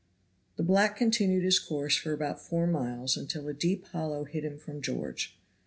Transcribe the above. The black continued his course for about four miles until a deep hollow hid him from George.